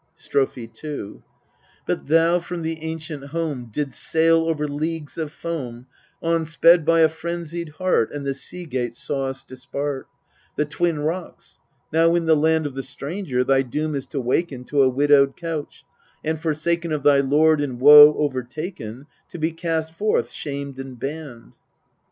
Strophe 2 But thou from the ancient home didst sail over leagues of foam, On sped by a frenzied heart, and the sea gates sawest dispart, The Twin Rocks. Now, in the land Of the stranger, thy doom is to waken To a widowed couch, and forsaken Of thy lord, and woe overtaken, To be cast forth shamed and banned.